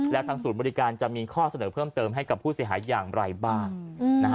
แล้วทางศูนย์บริการจะมีข้อเสนอเพิ่มเติมให้กับผู้เสียหายอย่างไรบ้าง